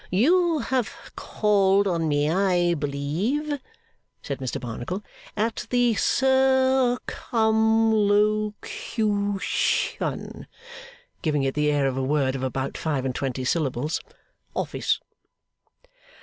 'You have called on me, I believe,' said Mr Barnacle, 'at the Circumlocution ' giving it the air of a word of about five and twenty syllables 'Office.